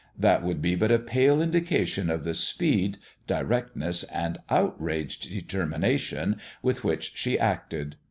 That would be but a pale indication of the speed, directness and outraged determination with which she acted.